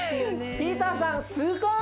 ピーターさんすごい！